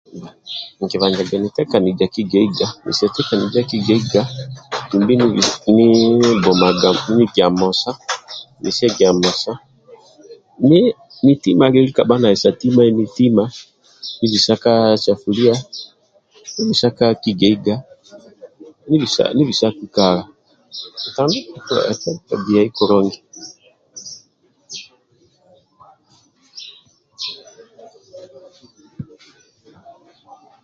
Nkibanjaga nitekaniza kigeiga mesia tekaniza kigeiga dumbi ni bisa bbumaga ni nigia musa nisigia musa nitima lieli kabha nali sa timai nitima nibisa ka sapulia nibisa kakala atandika giai kulungi